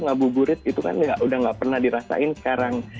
ngabuburit itu kan udah gak pernah dirasain sekarang